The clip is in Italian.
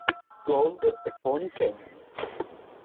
Gold e Pony Canyon.